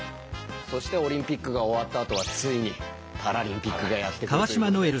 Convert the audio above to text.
そしてオリンピックが終わったあとはついにパラリンピックがやって来るということで。